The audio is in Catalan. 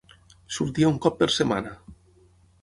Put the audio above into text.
Sortia un cop per setmana.